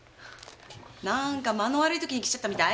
なんか間の悪い時に来ちゃったみたい？